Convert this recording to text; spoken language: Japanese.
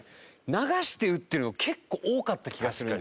流して打ってるの結構多かった気がするんです。